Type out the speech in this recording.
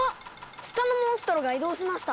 下のモンストロが移動しました。